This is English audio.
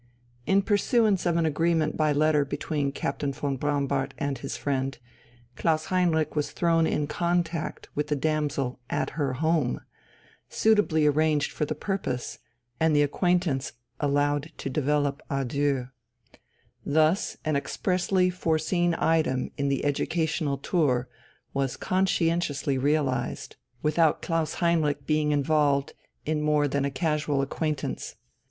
In pursuance of an agreement by letter between Captain von Braunbart and his friend, Klaus Heinrich was thrown in contact with the damsel at her home suitably arranged for the purpose and the acquaintance allowed to develop à deux. Thus an expressly foreseen item in the educational tour was conscientiously realized, without Klaus Heinrich being involved in more than a casual acquaintance.